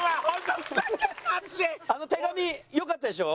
あの手紙よかったでしょ？